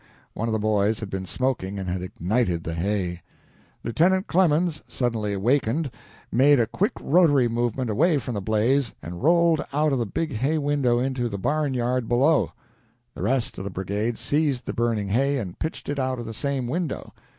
One of the boys had been smoking and had ignited the hay. Lieutenant Clemens, suddenly wakened, made a quick rotary movement away from the blaze, and rolled out of a big hay window into the barn yard below. The rest of the brigade seized the burning hay and pitched it out of the same window.